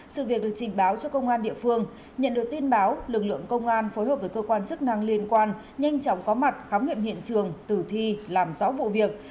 sự việc được trình báo cho công an địa phương nhận được tin báo lực lượng công an phối hợp với cơ quan chức năng liên quan nhanh chóng có mặt khám nghiệm hiện trường tử thi làm rõ vụ việc